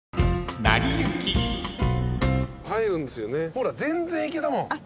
ほら全然いけたもん。